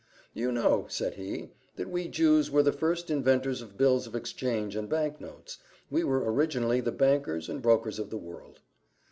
"You know," said he, "that we Jews were the first inventors of bills of exchange and bank notes we were originally the bankers and brokers of the world."